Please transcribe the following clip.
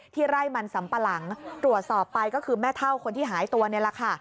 ไร่มันสำปะหลังตรวจสอบไปก็คือแม่เท่าคนที่หายตัวนี่แหละค่ะ